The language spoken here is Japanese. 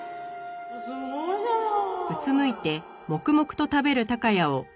すごいじゃない！